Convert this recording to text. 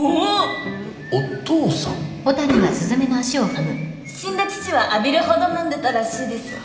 あっ死んだ父は浴びるほど飲んでたらしいです。